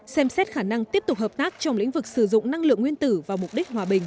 xem xét khả năng tiếp tục hợp tác trong lĩnh vực sử dụng năng lượng nguyên tử và mục đích hòa bình